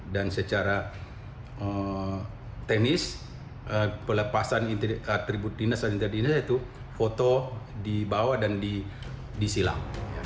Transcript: dan secara teknis pelepasan atribut dinas dan interdinas itu foto dibawa dan disilam